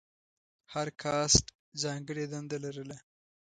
هر کاسټ ځانګړې دنده لرله.